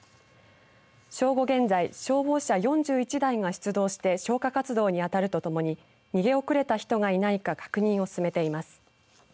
正午現在消防車４１台が出動して消火活動に当たるとともに逃げ遅れた人がいないか確認を進めています。